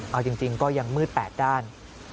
เอาจริงก็ยังมืด๘ด้าน